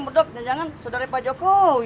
berdo nyanyi nyanyi saudari pak jokowi